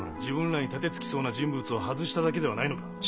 自分らに盾つきそうな人物を外しただけではないのか？